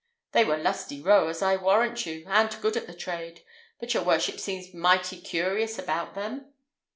They were lusty rowers, I warrant you, and good at the trade. But your worship seems mighty curious about them."